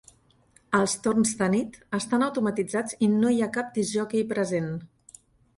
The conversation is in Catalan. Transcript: Els torns de nit estan automatitzats i no hi ha cap discjòquei present.